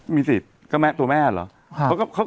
มีสิทธิ์ก็แม่ตัวแม่เหรอ